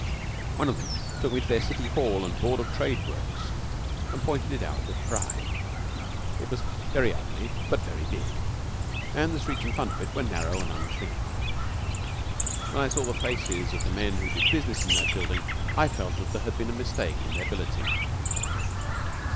One of them took me to their City Hall and Board of Trade works, and pointed it out with pride. It was very ugly, but very big, and the streets in front of it were narrow and unclean. When I saw the faces of the men who did business in that building, I felt that there had been a mistake in their billeting.